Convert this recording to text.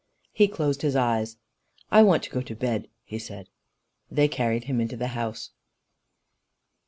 He closed his eyes. "I want to go to bed," he said. They carried him into the house.